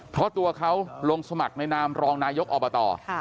เพราะตัวเขาลงสมัครในนามรองนายกอบต